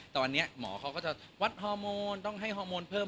ตอนนี้หมอเขาก็จะวัดฮอร์โมนต้องให้ฮอร์โมนเพิ่ม